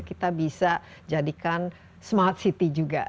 kita bisa jadikan smart city juga